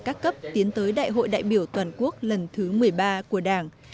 các cấp tiến tới đại hội đại biểu toàn quốc lần thứ một mươi ba của đảng